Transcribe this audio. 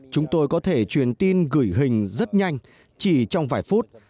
chúng tôi có thể truyền tin gửi hình rất nhanh chỉ trong vài phút